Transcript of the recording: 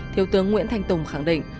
thiếu tướng nguyễn thanh tùng khẳng định